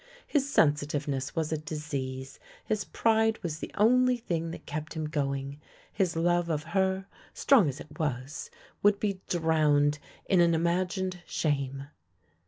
His sensitive ness was a disease, his pride was the only thing that kept him going; his love of her, strong as it was, would be drowned in an imagined shame!